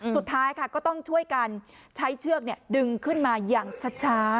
สุดท้ายค่ะก็ต้องช่วยกันใช้เชือกดึงขึ้นมาอย่างช้า